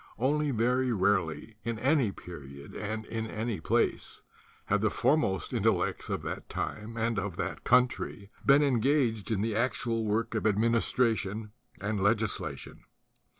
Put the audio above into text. Only very rarely in any period and in any have the foremost intellects of that time and of that country been engaged in the actual work of administration and legislation.